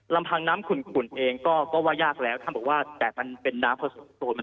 ลำพังน้ำขุนเองก็ว่ายากแล้วท่านบอกว่าแต่มันเป็นน้ำผสมโซน